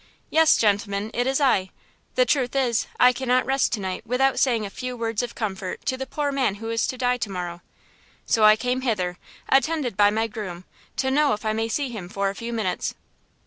"Yes, gentlemen, it is I. The truth is, I cannot rest tonight without saying a few words of comfort to the poor man who is to die to morrow. So I came hither, attended by my groom, to know if I may see him for a few minutes."